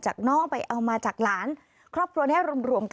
ฟังเสียงลูกจ้างรัฐตรเนธค่ะ